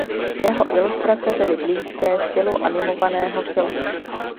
Jeho ilustrace byly blízké stylu animovaného filmu.